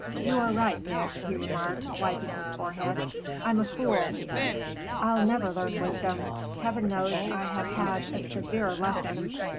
"You are right, Dick," he remarked, wiping his forehead, "I'm a fool. I'll never learn wisdom. Heaven knows I have had a severe lesson.